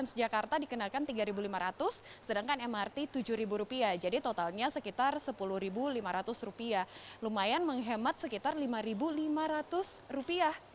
sedangkan mrt rp tujuh jadi totalnya sekitar rp sepuluh lima ratus lumayan menghemat sekitar rp lima lima ratus